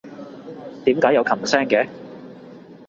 點解有琴聲嘅？